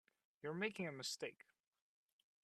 You are making a mistake.